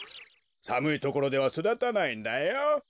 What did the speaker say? さむいところではそだたないんだよ。